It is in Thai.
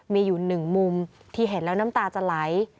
มีอยู่หนึ่งมุมที่เห็นแล้วน้ำตาจะไหล